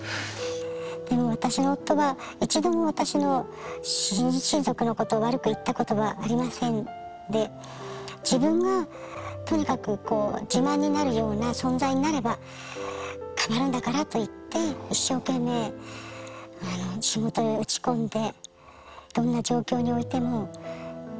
でも私の夫は一度も私の親族のことを悪く言ったことはありませんで自分がとにかくこう自慢になるような存在になれば変わるんだからと言って一生懸命仕事へ打ち込んで。